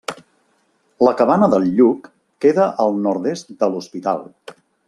La Cabana del Lluc queda al nord-est de l'Hospital.